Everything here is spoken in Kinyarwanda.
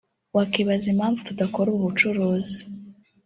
wakibaza impamvu tudakora ubu bucuruzi